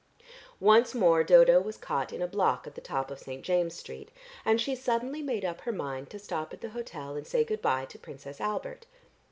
Once more Dodo was caught in a block at the top of St. James's street, and she suddenly made up her mind to stop at the hotel and say good bye to Princess Albert.